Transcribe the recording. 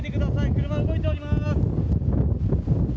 車動いております。